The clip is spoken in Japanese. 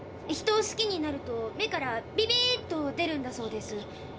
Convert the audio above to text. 人を好きになると目からビビッと出るんだそうです。